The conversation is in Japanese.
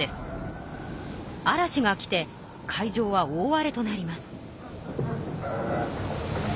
嵐が来て海上は大あれとなります。